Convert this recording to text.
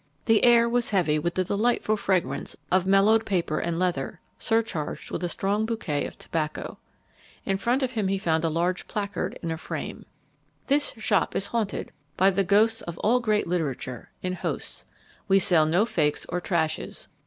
The air was heavy with the delightful fragrance of mellowed paper and leather surcharged with a strong bouquet of tobacco. In front of him he found a large placard in a frame: THIS SHOP IS HAUNTED by the ghosts Of all great literature, in hosts; We sell no fakes or trashes.